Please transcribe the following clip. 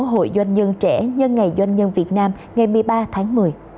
hội doanh nhân trẻ nhân ngày doanh nhân việt nam ngày một mươi ba tháng một mươi